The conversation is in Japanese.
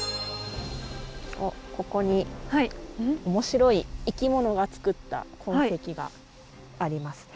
ここに面白い生き物が作った痕跡がありますね。